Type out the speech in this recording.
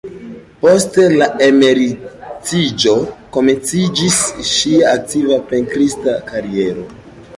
Post la emeritiĝo komenciĝis ŝia aktiva pentrista kariero.